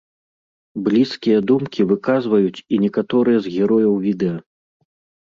Блізкія думкі выказваюць і некаторыя з герояў відэа.